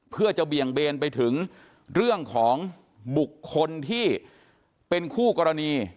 เพื่อจะเบี่ยงเบนไปถึงเรื่องของบุคคลที่เป็นคู่กรณี